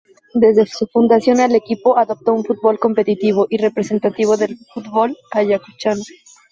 Desde su fundación el equipo adoptó un fútbol competitivo y representativo del fútbol ayacuchano.